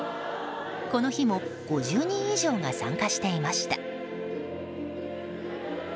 この日も５０人以上が参加していました。